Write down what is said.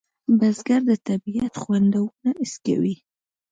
بزګر د طبیعت خوندونه حس کوي